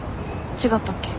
違ったっけ？